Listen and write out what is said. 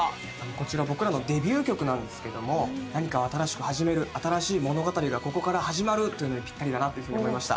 こちら僕らのデビュー曲なんですけども何かを新しく始める新しい物語がここから始まるというのにぴったりだなと思いました。